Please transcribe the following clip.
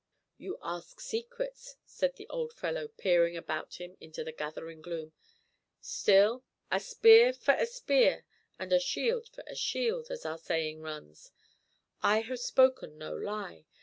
"You ask secrets," said the old fellow, peering about him into the gathering gloom. "Still, 'a spear for a spear and a shield for a shield,' as our saying runs. I have spoken no lie.